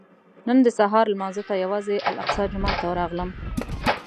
نن د سهار لمانځه ته یوازې الاقصی جومات ته راغلم.